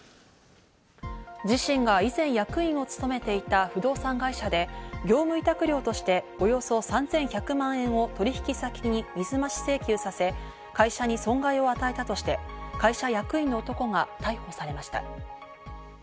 自身が以前役員を務めていた不動産会社で業務委託料としておよそ３１００万円を取引先に水増し請求させ、会社に損害を与えたとして、会社役員の男が逮捕されました。